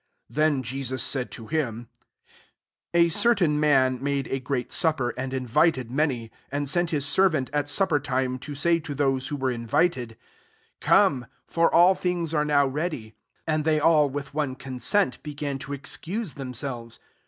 16 Then Jesua said to him, " A certain man made a great supper, and invited manj: 1 7 and sent his servant at sup per time, to say to those viha were invited, * Come, for ^ things are now ready.' 18 AaA they all, with one consent^ bo* gan to excuse themselves.